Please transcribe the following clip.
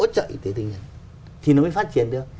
thì nó mới phát triển được